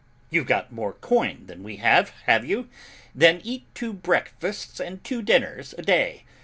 You've got more coin than we have, have you? Then eat two breakfasts and two dinners a day.